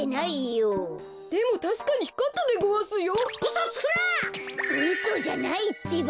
うそじゃないってば。